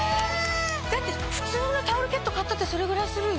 だって普通のタオルケット買ったってそれぐらいするよ。